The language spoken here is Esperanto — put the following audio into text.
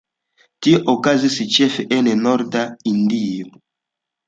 Tio okazis ĉefe en norda Hindio.